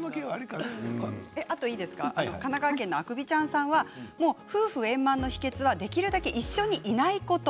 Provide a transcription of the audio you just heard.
神奈川県の方からは夫婦円満の秘けつはできるだけ一緒にいないこと。